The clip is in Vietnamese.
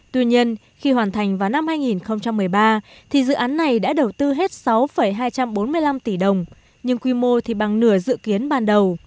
tuy nhiên khi hoàn thành vào năm hai nghìn một mươi ba thì dự án này đã đầu tư hết sáu hai trăm bốn mươi năm tỷ đồng nhưng quy mô thì bằng nửa dự kiến ban đầu